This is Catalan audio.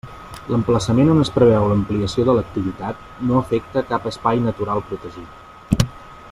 L'emplaçament on es preveu l'ampliació de l'activitat no afecta cap espai natural protegit.